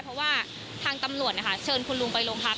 เพราะว่าทางตำรวจเชิญคุณลุงไปโรงพัก